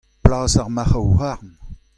Plas ar marcʼhoù-houarn ?